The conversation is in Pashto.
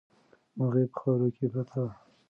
مرغۍ په خاورو کې پرته وه.